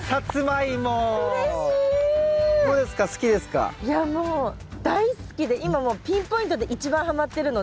いやもう大好きで今もうピンポイントで一番はまってるので。